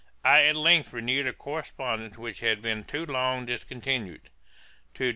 I at length renewed a correspondence which had been too long discontinued: 'To DR.